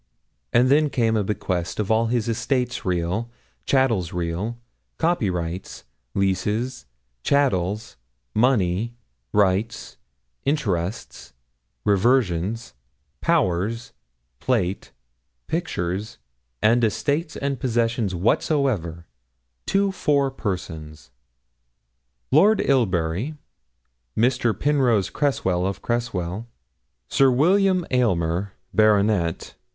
and then came a bequest of all his estates real, chattels real, copyrights, leases, chattels, money, rights, interests, reversions, powers, plate, pictures, and estates and possessions whatsoever, to four persons Lord Ilbury, Mr. Penrose Creswell of Creswell, Sir William Aylmer, Bart.